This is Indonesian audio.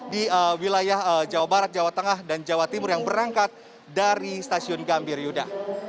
di wilayah jawa barat jawa tengah dan jawa timur yang berangkat dari stasiun gambir yuda